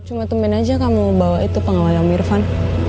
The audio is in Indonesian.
cuma temen aja kamu bawa itu pengalaman irfan